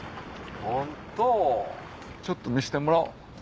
ホントちょっと見せてもらおう。